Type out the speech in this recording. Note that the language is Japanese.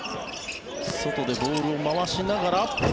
外でボールを回しながら。